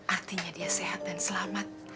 artinya dia sehat dan selamat